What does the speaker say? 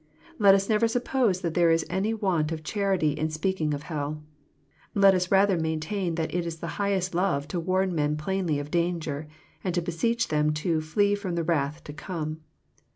Let us never suppose that there is any want of charity in speaking of hell. Let us rather main tain that it is the highest love to warn men plainly of danger, and to beseech them to '^ flee from the wrath to come."